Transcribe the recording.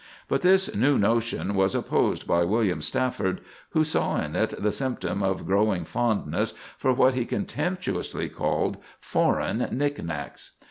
But this new notion was opposed by William Stafford, who saw in it the symptom of growing fondness for what he contemptuously called foreign nick nacks.